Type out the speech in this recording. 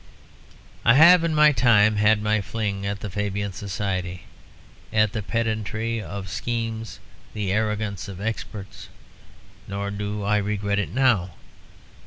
I have in my time had my fling at the Fabian Society, at the pedantry of schemes, the arrogance of experts; nor do I regret it now.